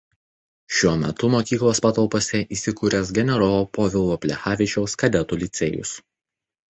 Šiuo metu mokyklos patalpose įsikūręs Generolo Povilo Plechavičiaus kadetų licėjus.